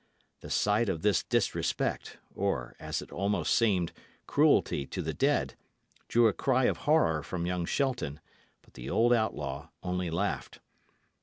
The sight of this disrespect, or, as it almost seemed, cruelty to the dead, drew a cry of horror from young Shelton; but the old outlaw only laughed.